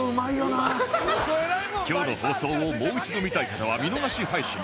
今日の放送をもう一度見たい方は見逃し配信で